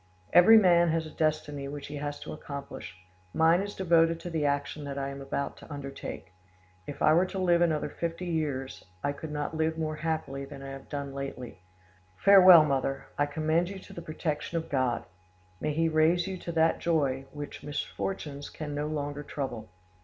"Every man has a destiny which he has to accomplish: mine is devoted to the action that I am about to undertake; if I were to live another fifty years, I could not live more happily than I have done lately. Farewell, mother: I commend you to the protection of God; may He raise you to that joy which misfortunes can no longer trouble!